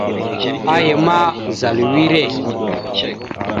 Aya ma, zal a wire.